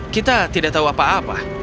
kita tidak tahu apa apa